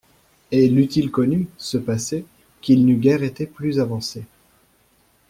Et l'eût-il connu, ce passé, qu'il n'eût guère été plus avancé.